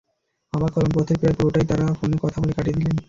অবাক হলাম পথের প্রায় পুরোটাই তাঁরা ফোনে কথা বলে কাটিয়ে দিলেন।